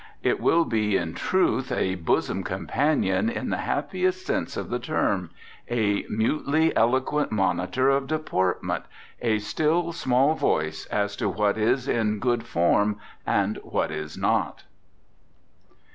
_ _It will be, in truth, a bosom companion in the happiest sense of the term, a mutely eloquent monitor of deportment, a still, small voice as to what is in good form and what is not.